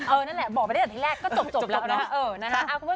เออนั่นแหละบอกไปได้จากที่แรกก็จบแล้วนะฮะ